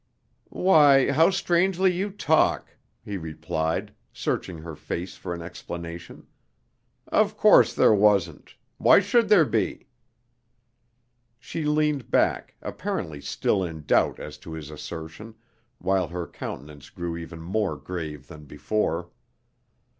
"Why, how strangely you talk!" he replied, searching her face for an explanation. "Of course there wasn't; why should there be?" She leaned back, apparently still in doubt as to his assertion, while her countenance grew even more grave than before.